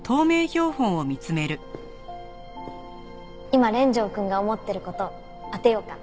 今連城くんが思ってる事当てようか。